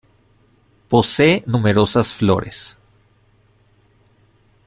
Posee numerosas flores.